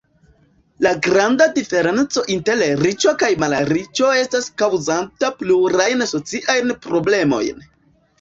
La granda diferenco inter riĉo kaj malriĉo estas kaŭzanta plurajn sociajn problemojn.